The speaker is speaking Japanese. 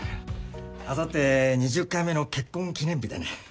あさって２０回目の結婚記念日でね。